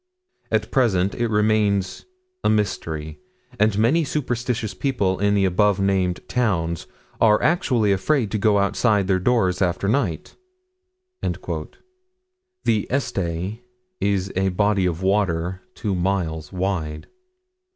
At present it remains a mystery, and many superstitious people in the above named towns are actually afraid to go outside their doors after night." The Este is a body of water two miles wide.